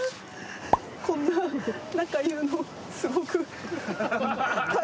こんな中言うのすごく。